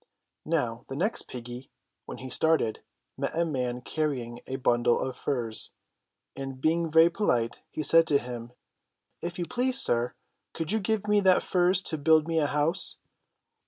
Now, the next piggy, when he started, met a man carry ing a bundle of furze, and, being very polite, he said to him : "If you please, sir, could you give me that furze to build me a house